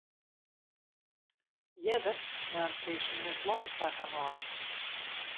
Earder naam Chris sneons blommen foar har mei.